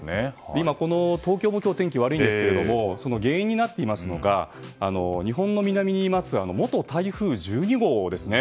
今、東京は天気が悪いんですけど原因になっていますのが日本の南にいます元台風１２号ですね。